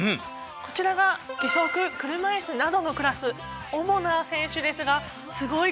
こちらが義足車いすなどのクラス主な選手ですがすごい数ですよね。